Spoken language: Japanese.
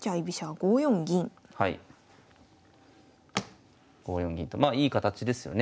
５四銀とまあいい形ですよね。